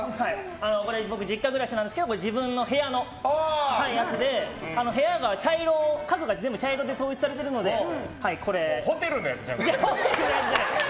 これ、僕実家暮らしなんですけど自分の部屋のやつで部屋が家具が全部茶色で統一されているのでホテルのやつじゃない！